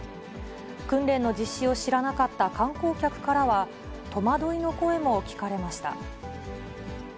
訓練の実施を知らなかった観光客からは、戸惑いの声も聞かれました。